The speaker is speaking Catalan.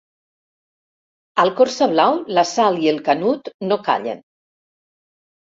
Al Corsa blau la Sal i el Canut no callen.